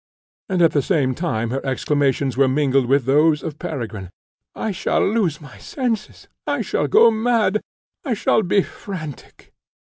and at the same time her exclamations were mingled with those of Peregrine, "I shall lose my senses! I shall go mad! I shall be frantic!"